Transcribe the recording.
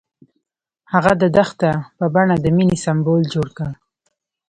هغه د دښته په بڼه د مینې سمبول جوړ کړ.